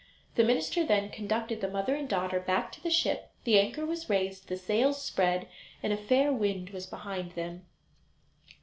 The minister then conducted the mother and daughter back to the ship; the anchor was raised, the sails spread, and a fair wind was behind them.